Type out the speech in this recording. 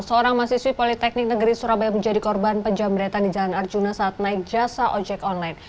seorang mahasiswi politeknik negeri surabaya menjadi korban penjamretan di jalan arjuna saat naik jasa ojek online